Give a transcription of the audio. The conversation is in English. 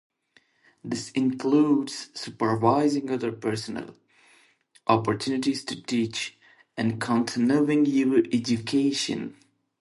This includes supervising other personnel, opportunities to teach, and continuing your education.